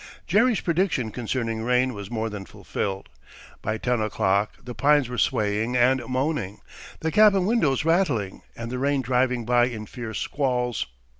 Jerry's prediction concerning rain was more than fulfilled. By ten o'clock the pines were swaying and moaning, the cabin windows rattling, and the rain driving by in fierce squalls.